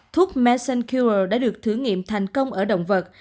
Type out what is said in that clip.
thuốc mesencure đã được thử nghiệm thành công ở động vật